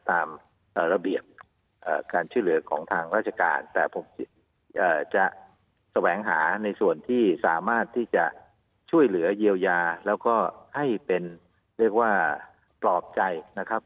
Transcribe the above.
ตามระเบียบการช่วยเหลือของทางราชการแต่ผมจะแสวงหาในส่วนที่สามารถที่จะช่วยเหลือเยียวยาแล้วก็ให้เป็นเรียกว่าปลอบใจนะครับ